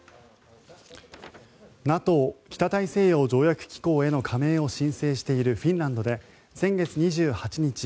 ＮＡＴＯ・北大西洋条約機構への加盟を申請しているフィンランドで先月２８日